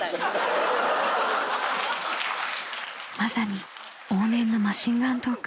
［まさに往年のマシンガントーク］